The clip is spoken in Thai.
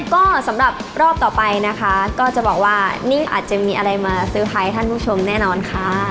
ก็สำหรับรอบต่อไปนะคะก็จะบอกว่านี่อาจจะมีอะไรมาเซอร์ไพรส์ท่านผู้ชมแน่นอนค่ะ